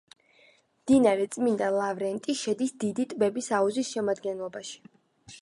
მდინარე წმინდა ლავრენტი შედის დიდი ტბების აუზის შემადგენლობაში.